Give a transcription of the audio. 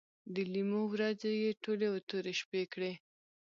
د لیمو ورځې یې ټولې تورې شپې کړې